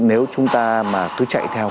nếu chúng ta cứ chạy theo